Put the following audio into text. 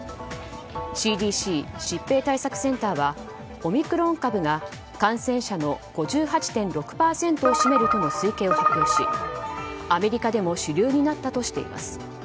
ＣＤＣ・疾病対策センターはオミクロン株が感染者の５８．６％を占めるとの推計を発表し、アメリカでも主流になったとしています。